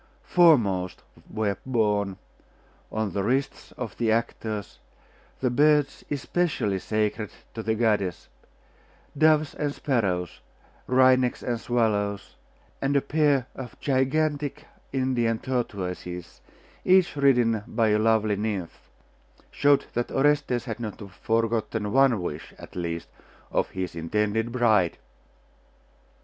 Foremost were borne, on the wrists of the actors, the birds especially sacred to the goddess doves and sparrows, wrynecks and swallows; and a pair of gigantic Indian tortoises, each ridden by a lovely nymph, showed that Orestes had not forgotten one wish, at least, of his intended bride.